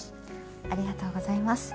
ありがとうございます。